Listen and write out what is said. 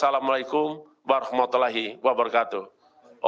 wassalamualaikum warahmatullahi wabarakatuh